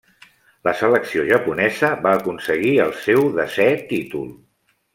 La selecció japonesa va aconseguir el seu desé títol.